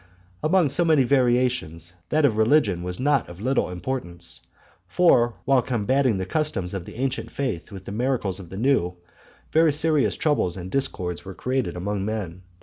Among so many variations, that of religion was not of little importance; for, while combating the customs of the ancient faith with the miracles of the new, very serious troubles and discords were created among men.